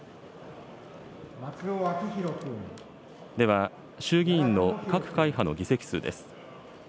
では、衆議院の各会派の議席数です。